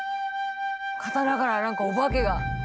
刀から何かお化けが。